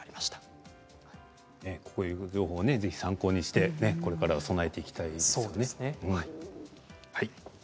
こういう情報を参考にしてこれから備えていきたいですね。